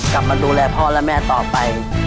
กลับมาดูแลพ่อและแม่ต่อไป